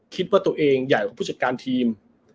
คิดว่าตัวเองใหญ่กว่าผู้จัดการทีม